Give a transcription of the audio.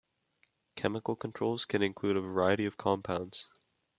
Chemical controls can include a variety of compounds.